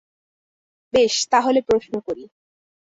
বেশ, তাহলে প্রশ্ন করি।